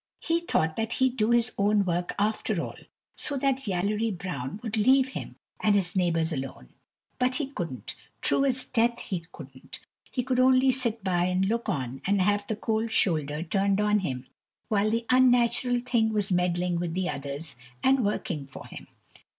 He thought that he'd do his own work after all, so that Yallery Brown would leave him and his neighbours alone. But he couldn't true as death he couldn't. He could only sit by and look on, and have the cold shoulder turned on him, while the unnatural thing was meddling with the others, and working for him.